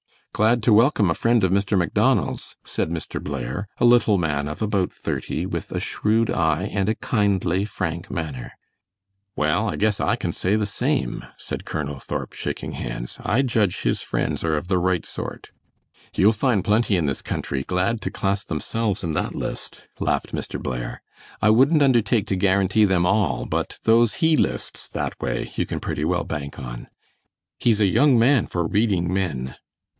"Glad to welcome a friend of Mr. Macdonald's," said Mr. Blair, a little man of about thirty, with a shrewd eye and a kindly frank manner. "Well, I guess I can say the same," said Colonel Thorp, shaking hands. "I judge his friends are of the right sort." "You'll find plenty in this country glad to class themselves in that list," laughed Mr. Blair; "I wouldn't undertake to guarantee them all, but those he lists that way, you can pretty well bank on. He's a young man for reading men."